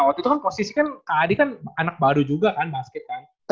waktu itu kan posisi kan kak adi kan anak baru juga kan basket kan